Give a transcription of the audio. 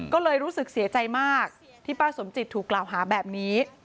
ก็เลยรู้สึกเสียใจมากที่ป้าสมจิตถูกกล่าวหาแบบนี้